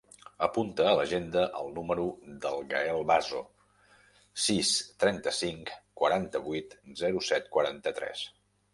Apunta a l'agenda el número del Gael Bazo: sis, trenta-cinc, quaranta-vuit, zero, set, quaranta-tres.